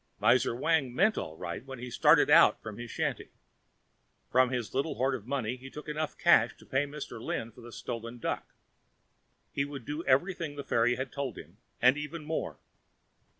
Miser Wang meant all right when he started out from his shanty. From his little hoard of money he took enough cash to pay Mr. Lin for the stolen duck. He would do everything the fairy had told him and even more.